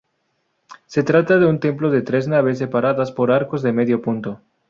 Se trata de un templo de tres naves separadas por arcos de medio punto.